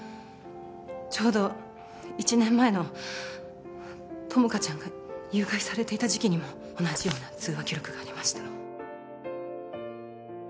ちょうど１年前の友果ちゃんが誘拐されていた時期にも同じような通話記録がありました